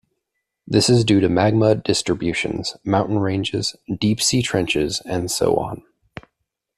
This is due to magma distributions, mountain ranges, deep sea trenches, and so on.